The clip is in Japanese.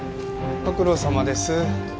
ご苦労さまです。